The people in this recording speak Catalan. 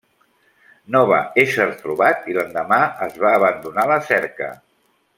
No va ésser trobat i l'endemà es va abandonar la cerca.